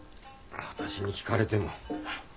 私に聞かれても。